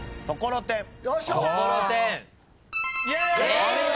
正解。